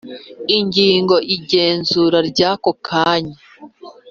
Ingingo Igenzura Ry Ako Kanya